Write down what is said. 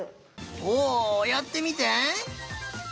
おやってみて。